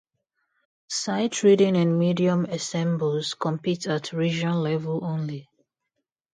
Sight Reading and medium ensembles compete at region level only.